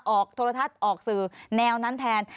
โทรทัศน์ออกสื่อแนวนั้นแทน